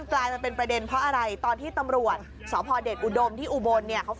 เต็มหูเลย